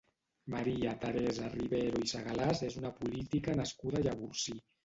Maria Teresa Rivero i Segalàs és una política nascuda a Llavorsí.